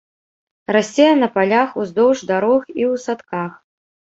Расце на палях, уздоўж дарог і ў садках.